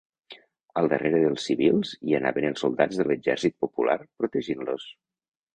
Al darrere dels civils hi anaven els soldats de l'exèrcit popular, protegint-los.